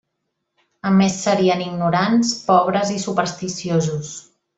A més serien: ignorants, pobres i supersticiosos.